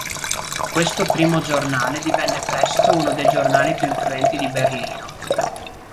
Questo primo giornale divenne presto uno dei giornali più influenti di Berlino.